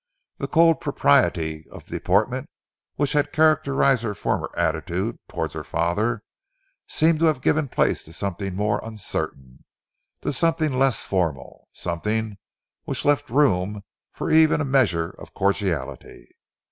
The cold propriety of deportment which had characterised her former attitude towards her father, seemed to have given place to something more uncertain, to something less formal, something which left room even for a measure of cordiality.